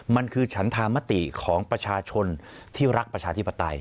มันคือฉันธามติของประชาชนที่รักประชาธิปไตย